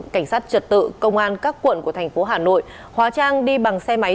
cảnh sát trật tự công an các quận của thành phố hà nội hóa trang đi bằng xe máy